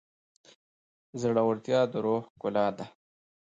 زړورتیا د روح ښکلا ده.